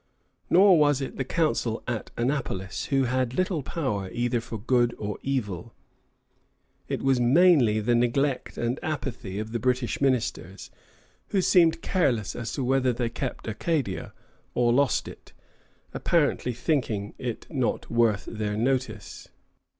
Nor was it the Council at Annapolis, who had little power either for good or evil. It was mainly the neglect and apathy of the British ministers, who seemed careless as to whether they kept Acadia or lost it, apparently thinking it not worth their notice.